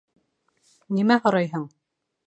Нимә һорайһың?